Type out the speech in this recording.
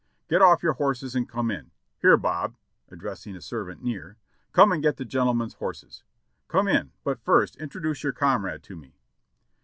" "Get off your horses and come in. Here, Bob," addressing a servant near, "come and get the gentlemen's horses. Come in, but first introduce your comrade to me.